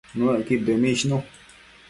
Nuëcqud dëmishnu